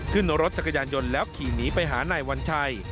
ขึ้นรถจักรยานยนต์แล้วขี่หนีไปหานายวัญชัย